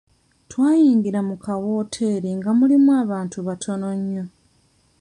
Twayingira mu kawooteeri nga mulimu abantu batono nnyo.